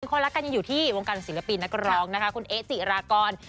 คนรักกันยังอยู่ที่วงการศิลปินนักร้องนะคะคุณเอ๊จิรากร